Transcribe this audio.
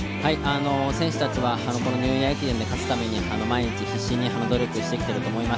選手たちはニューイヤー駅伝で勝つために毎日必死に努力をしてきていると思います。